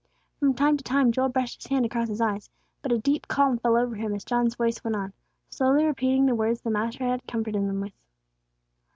From time to time Joel brushed his hand across his eyes; but a deep calm fell over him as John's voice went on, slowly repeating the words the Master had comforted them with.